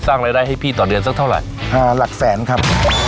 สร้างรายได้ให้พี่ต่อเดือนสักเท่าไหร่๕หลักแสนครับ